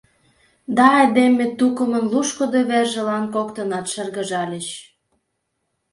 Да айдеме тукымын лушкыдо вержылан коктынат шыргыжальыч.